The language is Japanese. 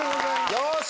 よし！